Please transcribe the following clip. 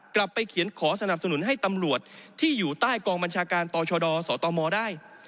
กลับไปเขียนขอสนับสนุนให้ตำรวจที่อยู่ใต้กองบัญชาการต่อชดสตมได้